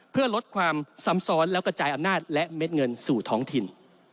เพื่อลดความซ้ำซ้อนและกระจายอำนาจและเม็ดเงินสู่ท้องถิ่น